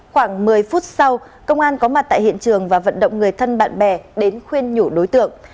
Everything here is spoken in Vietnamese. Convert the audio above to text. khoảng một mươi phút sau công an có mặt tại hiện trường và vận động người thân bạn bè đến khuyên nhủ đối tượng